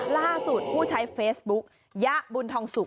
ล่าสุดผู้ใช้เฟซบุ๊คยะบุญทองสุข